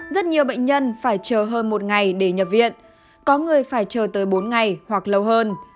rất nhiều bệnh nhân phải chờ hơn một ngày để nhập viện có người phải chờ tới bốn ngày hoặc lâu hơn